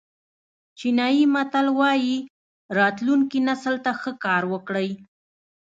چینایي متل وایي راتلونکي نسل ته ښه کار وکړئ.